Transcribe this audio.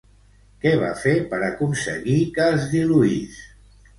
Què va fer per aconseguir que es diluís?